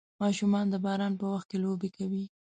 ماشومان د باران په وخت کې لوبې کوي.